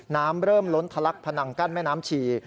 น้ำเริ่มล้นทะลักพนังกั้นแม่น้ำชี